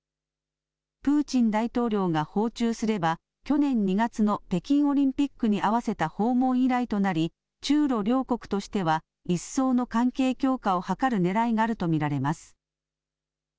プーチン大統領が訪中すれば去年２月の北京オリンピックにあわせた訪問以来となり中ロ両国としては一層の関係強化を図るねらいがあると見られます。